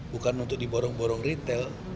bukan untuk diborong borong retail